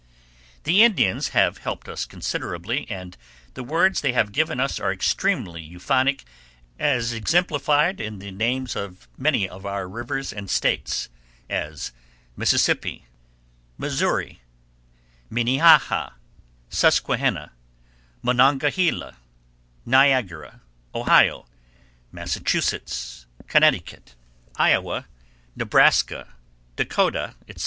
The Indians have helped us considerably and the words they have given us are extremely euphonic as exemplified in the names of many of our rivers and States, as Mississippi, Missouri, Minnehaha, Susquehanna, Monongahela, Niagara, Ohio, Massachusetts, Connecticut, Iowa, Nebraska, Dakota, etc.